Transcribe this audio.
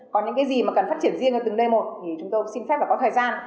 còn những cái gì mà cần phát triển riêng ở từng nơi một thì chúng tôi xin phép là có thời gian